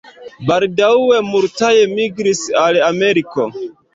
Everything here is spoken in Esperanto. Baldaŭe multaj migris al Ameriko.